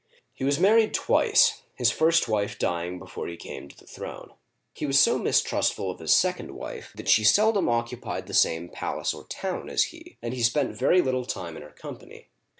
He was married twice, his first wife dying before he came to the throne. He was so mistrust uigiTizea Dy vjiOOQlC 204 OLD FRANCE ful of his second wife that she seldom occupied the same palace or town as he, and he spent very little time in her company.